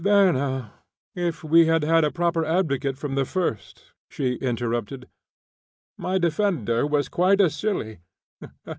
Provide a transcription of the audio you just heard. "There, now, if we had had a proper advocate from the first," she interrupted. "My defendant was quite a silly.